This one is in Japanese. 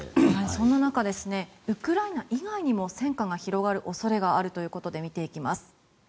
そんな中ウクライナ以外にも戦火が広がる恐れがあるということで見ていきます。